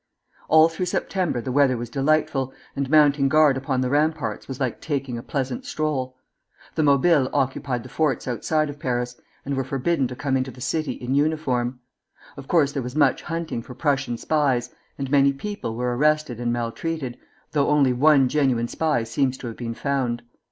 All through September the weather was delightful, and mounting guard upon the ramparts was like taking a pleasant stroll. The Mobiles occupied the forts outside of Paris, and were forbidden to come into the city in uniform. Of course there was much hunting for Prussian spies, and many people were arrested and maltreated, though only one genuine spy seems to have been found.